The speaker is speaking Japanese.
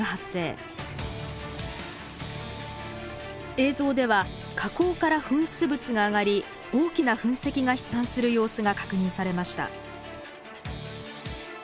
映像では火口から噴出物が上がり大きな噴石が飛散する様子が確認されました。